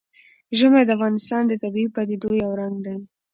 ژمی د افغانستان د طبیعي پدیدو یو رنګ دی.